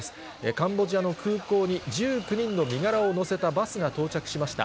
カンボジアの空港に１９人の身柄を乗せたバスが到着しました。